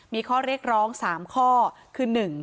มีข้อเรียกร้อง๓ข้อคือ๑